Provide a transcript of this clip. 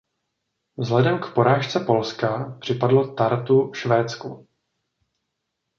Vzhledem k porážce Polska připadlo Tartu Švédsku.